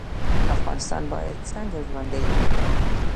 افغانستان باید څنګه ژوندی وي؟